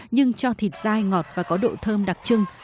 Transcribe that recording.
nhưng cho thịt dai ngọt và có độ thơm đặc trưng